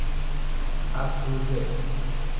افروزه